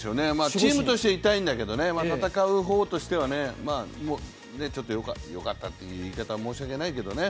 チームとしては痛いんだけれども、戦う方としてはよかったという言い方は申し訳ないけどね。